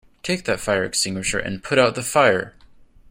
Take that fire extinguisher and put out the fire!